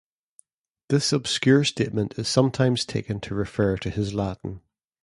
This obscure statement is sometimes taken to refer to his Latin.